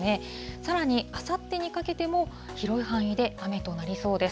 さらにあさってにかけても広い範囲で雨となりそうです。